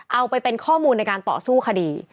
เอาไปเป็นข้อมูลในการต่อสู้คดี